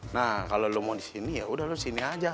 nah kalau lo mau di sini yaudah lo di sini aja